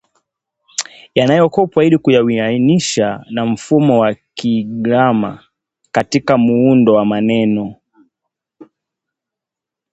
yanayokopwa ili kuyawianisha na mfumo wa Kigiriama katika muundo wa maneno